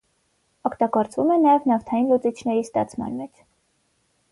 Օգտագործվում է նաև նավթային լուծիչների ստացման մեջ։